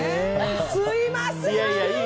すみません。